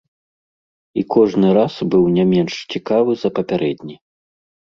І кожны раз быў не менш цікавы за папярэдні.